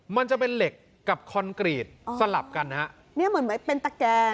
มันจะเป็นเหล็กกับคอนกรีตสลับกันนะฮะเนี่ยเหมือนเหมือนเป็นตะแกน